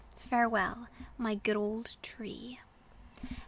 Farewell, my good old tree!